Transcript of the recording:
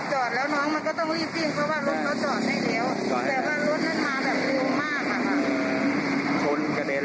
จอดแล้วน้องมันก็ต้องรีบกินเพราะว่ารถเค้าจอดให้เร็ว